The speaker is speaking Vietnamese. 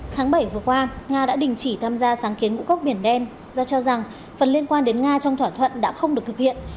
tháng bảy vừa qua nga đã đình chỉ tham gia sáng kiến ngũ cốc biển đen do cho rằng phần liên quan đến nga trong thỏa thuận đã không được thực hiện